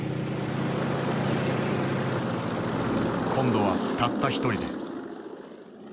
今度はたった一人で。